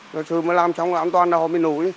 rồi rồi mới làm xong là an toàn là họ mới nổ